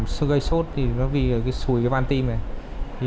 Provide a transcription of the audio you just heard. sơ gây sốt vì sùi van tim này